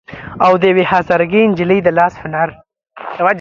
او د يوې هزاره ګۍ نجلۍ د لاس هنر